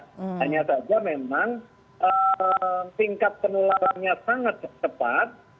hanya saja memang tingkat penularannya sangat cepat